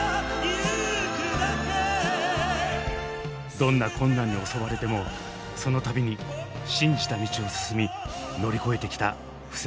どんな困難に襲われてもその度に信じた道を進み乗り越えてきた布施さん。